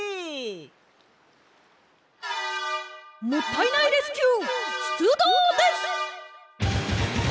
もったいないレスキューしゅつどうです！